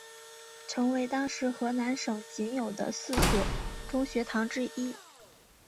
成为当时河南省仅有的四所中学堂之一。